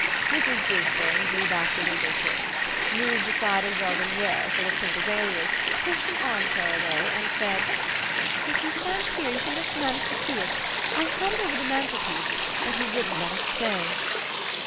Mrs. Gisburn drew back the window curtains, moved aside a JARDINIÈRE full of pink azaleas, pushed an arm chair away, and said: "If you stand here you can just manage to see it. I had it over the mantel piece, but he wouldn't let it stay."